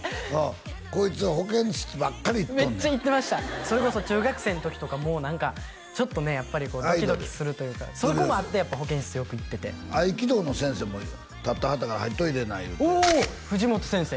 こいつ保健室ばっかり行っとんねんメッチャ行ってましたそれこそ中学生の時とかもう何かちょっとねやっぱりドキドキするというかそこもあって保健室よく行ってて合気道の先生も立ってはったから入っといで言うておー藤本先生